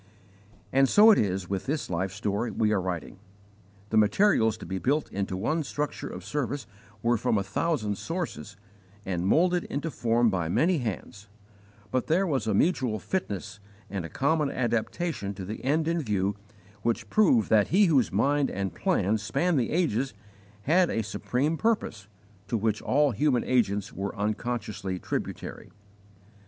And so it is with this life story we are writing. The materials to be built into one structure of service were from a thousand sources and moulded into form by many hands, but there was a mutual fitness and a common adaptation to the end in view which prove that He whose mind and plan span the ages had a supreme purpose to which all human agents were unconsciously tributary.